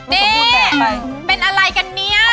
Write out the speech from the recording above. นี่เป็นอะไรกันเนี่ย